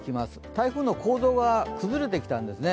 台風の構造が崩れてきたんですね。